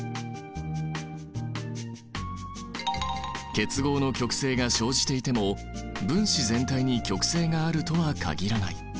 結合の極性が生じていても分子全体に極性があるとは限らない。